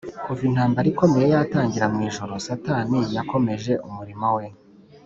Kuva intambara ikomeye yatangira mu ijuru, Satani yakomeje umurimo we